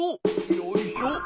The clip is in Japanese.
よいしょ。